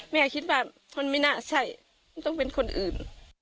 แม่คิดว่ามันไม่น่าใช่มันต้องเป็นคนอื่น